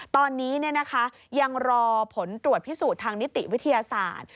ตอนนี้ยังรอผลตรวจพิสูจน์ทางนิติวิทยาศาสตร์